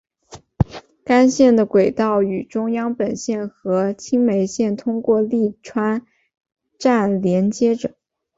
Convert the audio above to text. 干线的轨道与中央本线和青梅线通过立川站连接着。